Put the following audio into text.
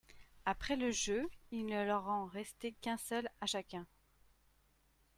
Après le jeu, il ne leur en restait qu'un seul à chacun.